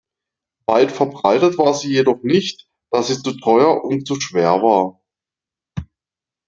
Weit verbreitet war sie jedoch nicht, da sie zu teuer und zu schwer war.